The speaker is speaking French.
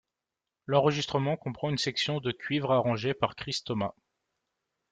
L'enregistrement comprend une section de cuivres arrangée par Chris Thomas.